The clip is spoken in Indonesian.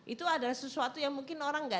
itu adalah sesuatu yang mungkin orang gak tahu